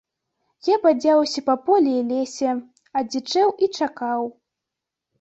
Я бадзяўся па полі і лесе, адзічэў і чакаў.